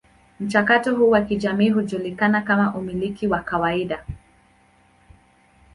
Mchakato huu wa kijamii hujulikana kama umiliki wa kawaida.